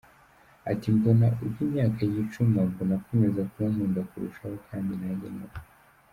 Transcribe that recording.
Ati, “Mbona uko imyaka yicuma mbona akomeza kunkunda kurushaho kandi nanjye ni uko”.